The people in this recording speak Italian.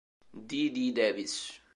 Dee Dee Davis